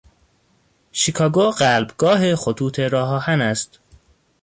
شیکاگو قلبگاه خطوط راه آهن است.